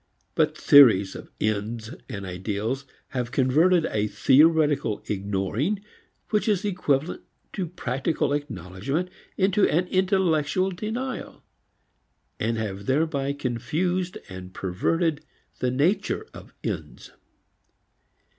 But theories of ends and ideals have converted a theoretical ignoring which is equivalent to practical acknowledgment into an intellectual denial, and have thereby confused and perverted the nature of ends.